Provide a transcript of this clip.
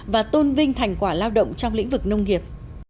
và tôn vinh thành quả lao động trong lĩnh vực nông nghiệp